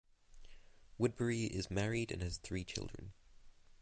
Woodbury is married and has three children.